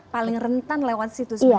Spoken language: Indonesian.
paling rentan lewat situ sebenarnya